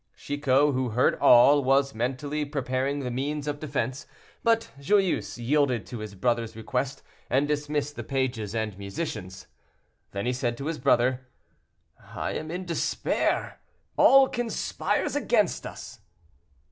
Chicot, who heard all, was mentally preparing the means of defense, but Joyeuse yielded to his brother's request, and dismissed the pages and musicians. Then he said to his brother, "I am in despair; all conspires against us."